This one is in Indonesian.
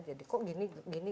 jadi kok gini gini